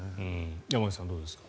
山口さん、どうですか。